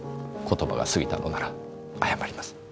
言葉が過ぎたのなら謝ります。